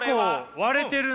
割れてるな！